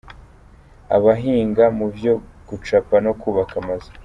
Abahinga mu vyo gucapa no kwubaka amazu .